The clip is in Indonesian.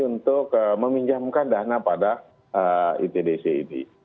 untuk meminjamkan dana pada itdc ini